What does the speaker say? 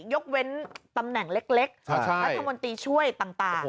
ยกเว้นตำแหน่งเล็กรัฐมนตรีช่วยต่าง